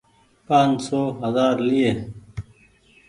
پآن سو هزآر ليئي۔